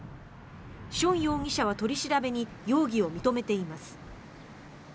ション容疑者は取り調べに容疑を認めています。